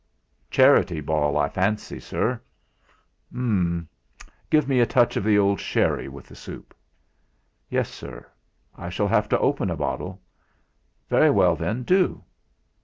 "Charity ball, I fancy, sir." "Ummm! Give me a touch of the old sherry with the soup." "Yes, sir. I shall have to open a bottle:" "Very well, then, do!"